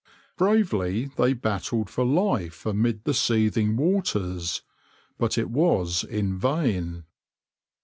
Bravely they battled for life amid the seething waters, but it was in vain.